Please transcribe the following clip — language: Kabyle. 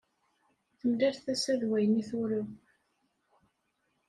Temlal tasa d wayen i turew.